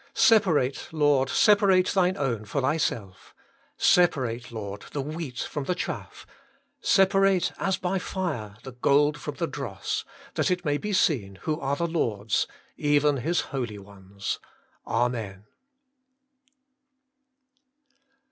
Separate, Lord, separate Thine own for Thyself. Separate, Lord, the wheat from the chaff; separate, as by fire, the gold from the dross ; that it may be seen who are the Lord's, even His holy ones. Amen.